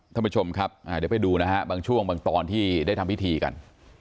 ท่านผู้ชมครับเดี๋ยวไปดูนะฮะบางช่วงบางตอนที่ได้ทำพิธีกัน